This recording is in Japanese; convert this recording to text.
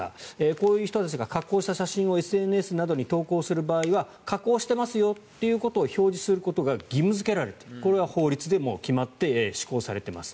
こういう人たちが加工した写真をＳＮＳなどに投稿する場合は加工してますよということを表示することが義務付けられているこれはもう法律で決まって施行されています。